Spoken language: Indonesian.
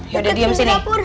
yaudah diem sini